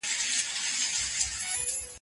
هر علمي پرمختګ د انسان د پرله پسې هڅو نتیجه ده.